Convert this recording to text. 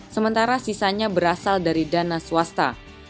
sementara sisanya berasal dari dana swasta